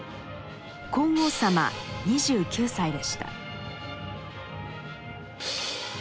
皇后さま２９歳でした。